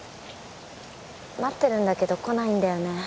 待ってるんだけど来ないんだよね。